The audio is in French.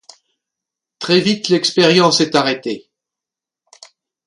Très vite l'expérience est arrêtée.